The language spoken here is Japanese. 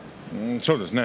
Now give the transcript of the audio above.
そうですね。